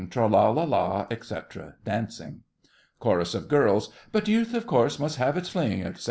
Tra la la, etc. (Dancing.) CHORUS OF GIRLS.. But youth, of course, must have its fling, etc.